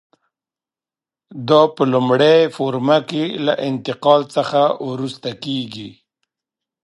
دا په لومړۍ قوریه کې له انتقال څخه وروسته کېږي.